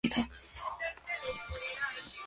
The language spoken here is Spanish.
En total, hubo unas mil bajas entre muertos y heridos.